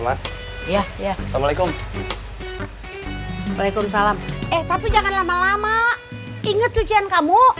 mak iya assalamualaikum waalaikumsalam eh tapi jangan lama lama inget tujuan kamu